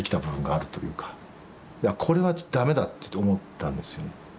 これは駄目だって思ったんですよ。